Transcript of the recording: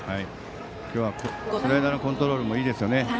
今日はスライダーのコントロールもいいですね。